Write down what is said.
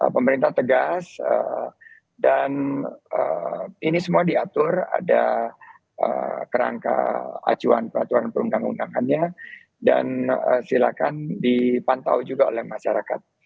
pemerintah tegas dan ini semua diatur ada kerangka acuan peraturan perundang undangannya dan silakan dipantau juga oleh masyarakat